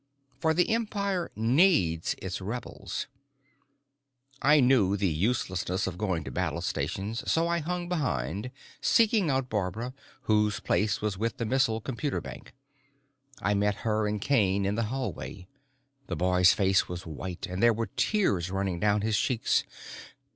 For the Empire needs its rebels. I knew the uselessness of going to battle stations, so I hung behind, seeking out Barbara, whose place was with the missile computer bank. I met her and Kane in the hallway. The boy's face was white, and there were tears running down his cheeks.